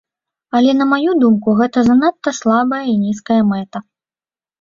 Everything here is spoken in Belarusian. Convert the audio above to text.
Але, на маю думку, гэта занадта слабая і нізкая мэта.